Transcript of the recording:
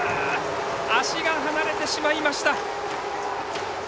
足が離れてしまいました。